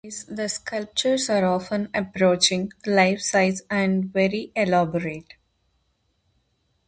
In these the sculptures are often approaching life-size and very elaborate.